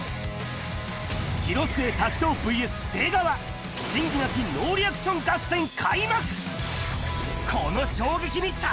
広末、滝藤ＶＳ出川、仁義なきノーリアクション合戦開幕。